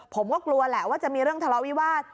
ผมก็กลัวแหละว่าจะมีเรื่องทะเลาะวิวาส